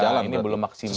iya ini belum maksimal